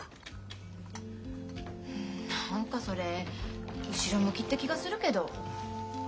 何かそれ後ろ向きって気がするけど。